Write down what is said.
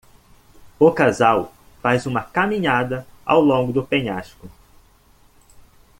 O casal faz uma caminhada ao longo do penhasco.